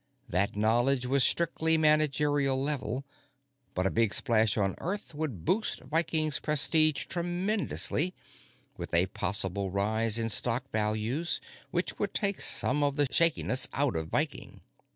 That knowledge was strictly managerial level. But a big splash on Earth would boost Viking's prestige tremendously, with a possible rise in stock values which would take some of the shakiness out of Viking.